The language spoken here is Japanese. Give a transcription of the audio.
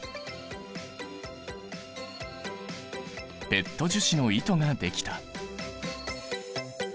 ペット樹脂の糸ができた。